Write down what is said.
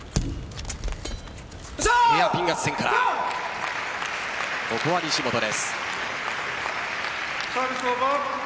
ヘアピン合戦からここは西本です。